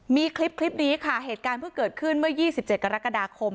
มีคลิปนี้ค่ะเหตุการณ์เพิ่งเกิดขึ้นเมื่อ๒๗กรกฎาคม